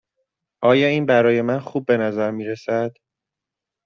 آیا این برای من خوب به نظر می رسد؟